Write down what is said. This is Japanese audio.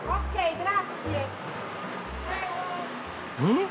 ん？